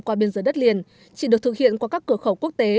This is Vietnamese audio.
qua biên giới đất liền chỉ được thực hiện qua các cửa khẩu quốc tế